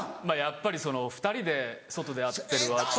まぁやっぱり２人で外で会ってるは。